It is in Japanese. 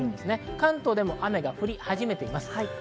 関東でも雨が降り始めています。